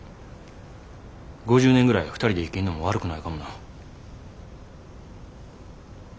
５０年ぐらいは２人で生きんのも悪くないかもな。